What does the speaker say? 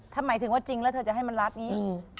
ถ้าหมายถึงว่าจริงแล้วเธอจะให้มันรัดนี้